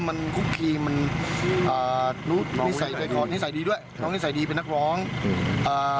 มันคุกกี้มันอ่านี่ใส่ดีด้วยน้องนี่ใส่ดีเป็นนักร้องอ่า